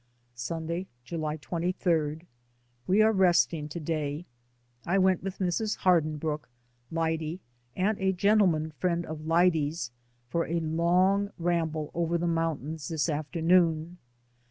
Sunday, July 23. We are resting to day. I went with Mrs. Hardinbrooke, Lyde and a gentleman friend of Lyde's, for a long ramble over the moun tains this afternoon.